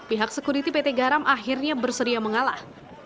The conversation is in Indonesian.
pihak sekuriti pt garam akhirnya bersedia mengalah